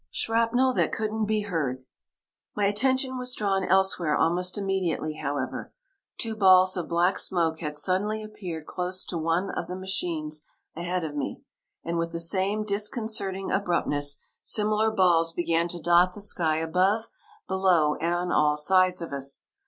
SHRAPNEL THAT COULDN'T BE HEARD My attention was drawn elsewhere almost immediately, however. Two balls of black smoke had suddenly appeared close to one of the machines ahead of me, and with the same disconcerting abruptness similar balls began to dot the sky above, below, and on all sides of us.